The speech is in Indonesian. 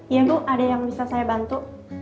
iya bu ada yang bisa saya bantu